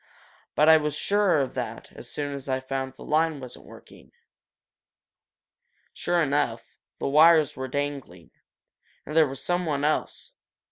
But I was sure of that as soon as I found the line wasn't working." Sure enough, the wires were dangling. And there was something else.